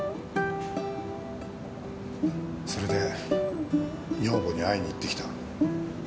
それで女房に会いに行ってきた。